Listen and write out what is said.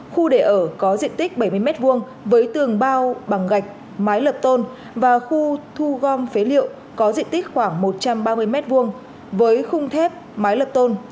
khu để ở có diện tích bảy mươi m hai với tường bao bằng gạch mái lập tôn và khu thu gom phế liệu có diện tích khoảng một trăm ba mươi m hai với khung thép mái lập tôn